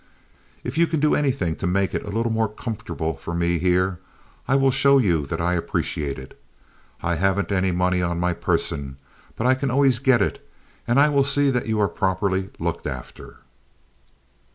If you can do anything to make it a little more comfortable for me here I will show you that I appreciate it. I haven't any money on my person, but I can always get it, and I will see that you are properly looked after."